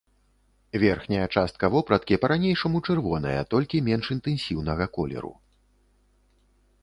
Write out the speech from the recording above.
Верхняя частка вопраткі па-ранейшаму чырвоная, толькі менш інтэнсіўнага колеру.